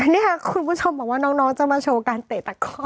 แล้วเนี่ยคุณผู้ชมบอกว่าน้องจะมาโชว์การเตะตักกอบ